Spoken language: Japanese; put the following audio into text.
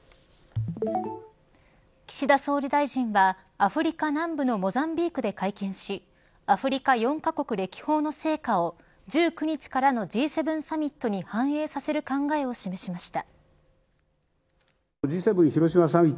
岸田総理大臣はアフリカ南部のモザンビークで会見しアフリカ４カ国歴訪の成果を１９日からのＧ７サミットに反映させる考えを示しました。